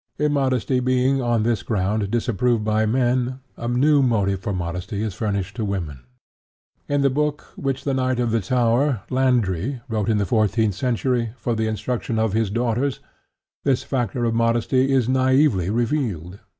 Immodesty being, on this ground, disapproved by men, a new motive for modesty is furnished to women. In the book which the Knight of the Tower, Landry, wrote in the fourteenth century, for the instruction of his daughters, this factor of modesty is naïvely revealed.